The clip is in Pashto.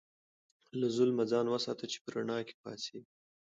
له ظلمه ځان وساته چې په رڼا کې پاڅېږې.